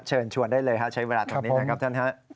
เชิญชวนได้เลยใช้เวลาตรงนี้นะครับท่านฮะ